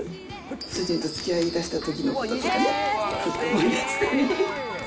主人とつきあいだしたときのこととかね、ふっと思い出したり。